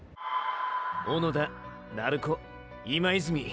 小野田鳴子今泉。